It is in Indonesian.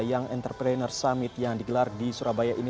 young entrepreneur summit yang digelar di surabaya ini